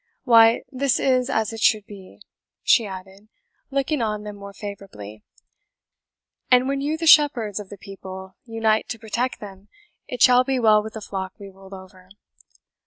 "Why, this is as it should be," she added, looking on them more favourably; "and when you the shepherds of the people, unite to protect them, it shall be well with the flock we rule over.